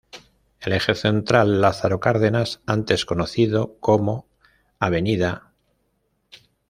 El Eje Central Lázaro Cárdenas antes conocido como Av.